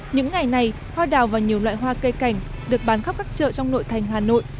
những ngày này hoa đào và nhiều loại hoa cây cảnh được bán khắp các chợ trong nội thành hà nội